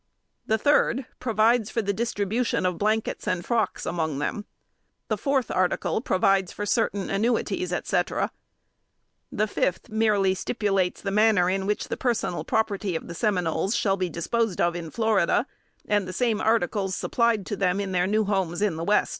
The third provides for the distribution of blankets and frocks among them. The fourth article provides for certain annuities, etc. The fifth merely stipulates the manner in which the personal property of the Seminoles shall be disposed of in Florida, and the same articles supplied them in their new homes at the West.